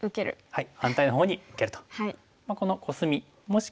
はい。